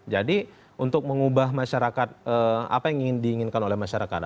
jadi untuk mengubah masyarakat apa yang diinginkan oleh masyarakat adat